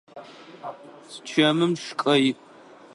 Чэмым шкӏэ иӏ.